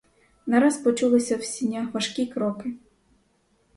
Нараз почулися в сінях важкі кроки.